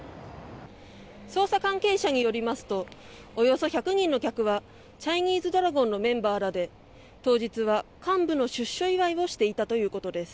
捜査関係者によりますとおよそ１００人の客はチャイニーズドラゴンのメンバーらで当日は幹部の出所祝いをしていたということです。